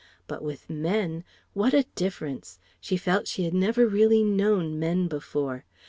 But with men. What a difference! She felt she had never really known men before.